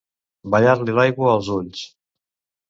Ballar-li l'aigua als ulls.